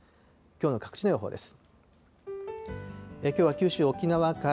きょうの各地の予報です。